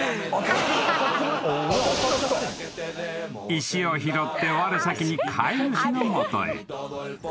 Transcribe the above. ［石を拾ってわれ先に飼い主の元へ］